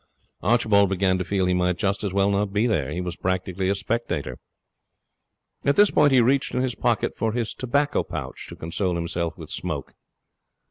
Archibald began to feel that he might just as well not be there. He was practically a spectator. At this point he reached in his pocket for his tobacco pouch, to console himself with smoke.